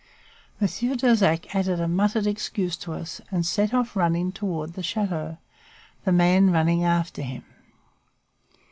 Monsieur Darzac uttered a muttered excuse to us and set off running towards the chateau, the man running after him.